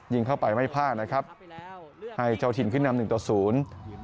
ยิงเข้าไปไม่พลาดนะครับให้เจ้าถิ่นขึ้นนำหนึ่งต่อศูนย์